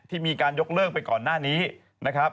มีการยกเลิกไปก่อนหน้านี้นะครับ